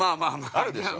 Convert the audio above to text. ◆あるでしょう。